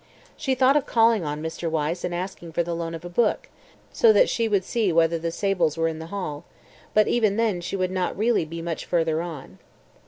She thought of calling on Mr. Wyse and asking for the loan of a book, so that she would see whether the sables were in the hall, but even then she would not really be much further on.